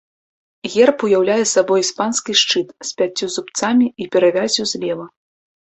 Герб уяўляе сабой іспанскі шчыт з пяццю зубцамі і перавяззю злева.